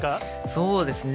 そうですね。